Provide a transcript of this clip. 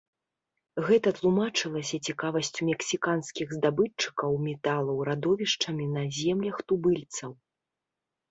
Гэта тлумачылася цікавасцю мексіканскіх здабытчыкаў металаў радовішчамі на землях тубыльцаў.